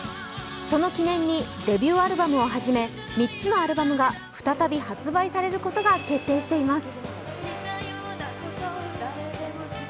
その記念にデビューアルバムをはじめ３つのアルバムが再び発売されることが決定しています。